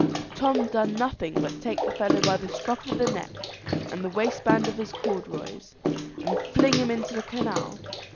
Tom done nothing but take the fellow by the scruff o' the neck and the waistband of his corduroys, and fling him into the canal.